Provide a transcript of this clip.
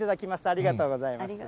ありがとうございます。